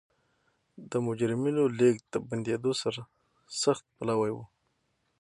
د مجرمینو لېږد د بندېدو سرسخت پلوی و.